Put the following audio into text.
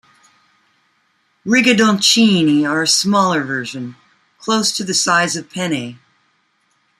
Rigatoncini are a smaller version, close to the size of penne.